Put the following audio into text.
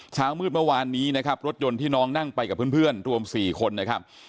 เช้ามืดเมื่อวานนี้นะครับรถยนต์ที่น้องนั่งไปกับเพื่อนรวม๔คนนะครับ